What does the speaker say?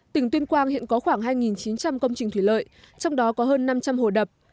tỉnh tuyên quang hiện có khoảng hai chín trăm linh công trình thủy lợi trong đó có hơn năm trăm linh hồ đập